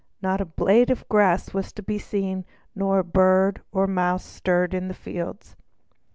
Not a blade of grass was to be seen, not a bird or mouse stirred in the fields.